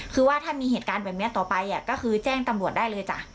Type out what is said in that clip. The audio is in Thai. คือว่าถ้ามีเหตุการณ์แบบนี้ต่อไปก็คือแจ้งตำรวจได้เลยจ้ะ